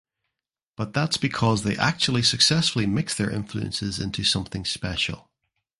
But that’s because they actually successfully mix their influences into something special.